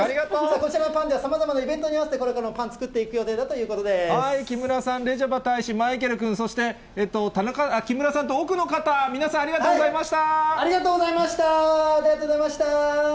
こちらのパン屋ではさまざまなイベントに合わせて、これからもパン、木村さん、レジャバ大使、マイケル君、そして木村さんと、奥の方、ありがとうございました。